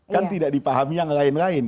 kan tidak dipahami yang lain lain